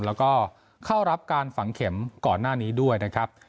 แล้วก็เข้ารับการฝังเข็มก่อนหน้านี้ด้วยนะครับ